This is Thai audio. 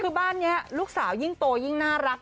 คือบ้านนี้ลูกสาวยิ่งโตยิ่งน่ารัก